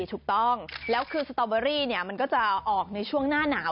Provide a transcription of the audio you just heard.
ถูกต้องแล้วคือสตอเบอรี่มันก็จะออกในช่วงหน้าหนาว